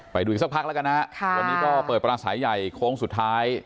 ไปดูอีกสักพักแล้วกันนะฮะวันนี้ก็เปิดปราศัยใหญ่โค้งสุดท้าย